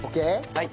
はい。